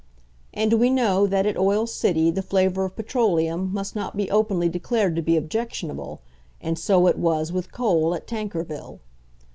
And we know that at Oil City the flavour of petroleum must not be openly declared to be objectionable, and so it was with coal at Tankerville.